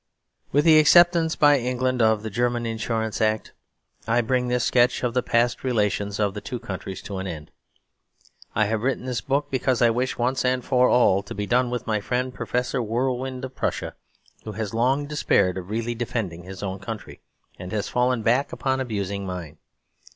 With the acceptance by England of the German Insurance Act, I bring this sketch of the past relations of the two countries to an end. I have written this book because I wish, once and for all, to be done with my friend Professor Whirlwind of Prussia, who has long despaired of really defending his own country, and has fallen back upon abusing mine.